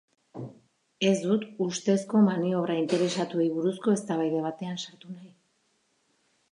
Ez dut ustezko maniobra interesatuei buruzko eztabaida batean sartu nahi.